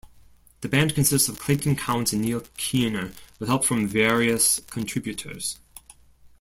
The band consists of Clayton Counts and Neil Keener, with help from various contributors.